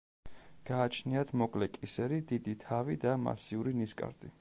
გააჩნიათ მოკლე კისერი, დიდი თავი და მასიური ნისკარტი.